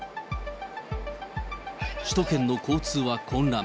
首都圏の交通は混乱。